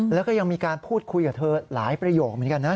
แล้วก็ยังมีการพูดคุยกับเธอหลายประโยคเหมือนกันนะ